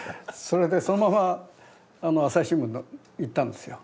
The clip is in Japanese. それでそのまま朝日新聞に行ったんですよ。